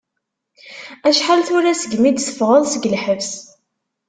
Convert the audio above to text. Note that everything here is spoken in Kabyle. Acḥal tura segmi d-teffɣeḍ seg lḥebs?